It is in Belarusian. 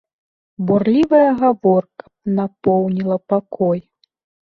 Бурлівая гаворка напоўніла пакой.